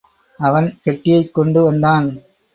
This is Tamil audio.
அவன் பெட்டியைக் கொண்டு வந்தான்.